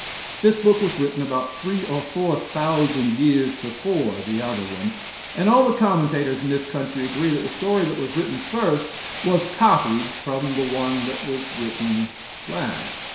This book was written about three or four thousand years before the other one, and all the commentators in this country agree that the story that was written first was copied from the one that was written last.